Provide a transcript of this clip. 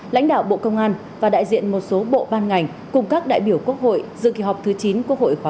lãnh đạo bộ công an và đại diện một số bộ ban ngành cùng các đại biểu quốc hội dự kỳ họp thứ chín quốc hội khóa một mươi